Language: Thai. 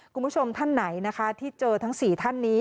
คุณผู้ชมท่านไหนนะคะที่เจอทั้ง๔ท่านนี้